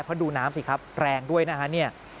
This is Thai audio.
เพราะดูน้ำสิครับแรงด้วยนะ